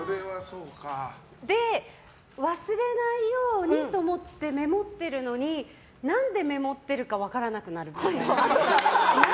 で、忘れないようにと思ってメモってるのに何でメモってるか分からなくなる。